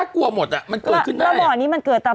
ของครูกรางปาก